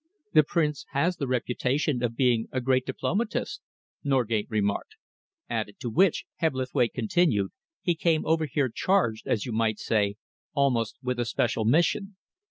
"The Prince has the reputation of being a great diplomatist," Norgate remarked. "Added to which," Hebblethwaite continued, "he came over here charged, as you might say, almost with a special mission.